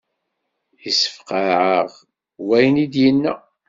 Yessefqeɛ-aɣ wayen i d-yenna.